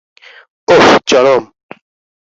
ওহ, চরম।